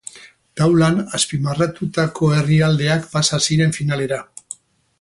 Taulan azpimarratutako herrialdeak pasa ziren finalera.